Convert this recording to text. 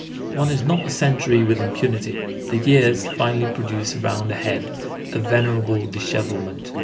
One is not a century with impunity. The years finally produce around a head a venerable dishevelment.